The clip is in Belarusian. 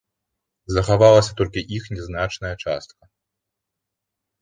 Захавалася толькі іх нязначная частка.